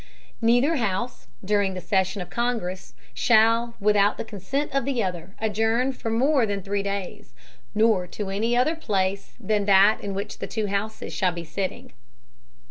Neither House, during the Session of Congress, shall, without the Consent of the other, adjourn for more than three days, nor to any other Place than that in which the two Houses shall be sitting.